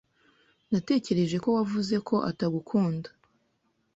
Natekereje ko wavuze ko atagukunda.